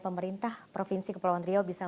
pemerintah provinsi kepulauan riau bisa